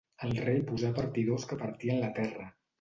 El rei posà partidors que partien la terra.